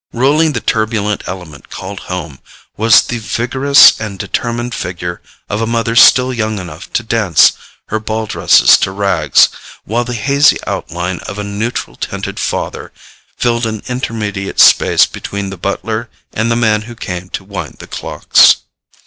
Ruling the turbulent element called home was the vigorous and determined figure of a mother still young enough to dance her ball dresses to rags, while the hazy outline of a neutral tinted father filled an intermediate space between the butler and the man who came to wind the clocks.